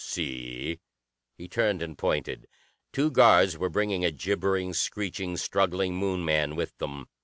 See!" He turned and pointed. Two guards were bringing a gibbering, screeching, struggling Moon man with them.